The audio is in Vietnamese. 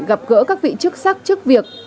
gặp gỡ các vị chức sắc trước việc